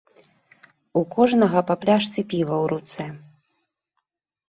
У кожнага па пляшцы піва ў руцэ.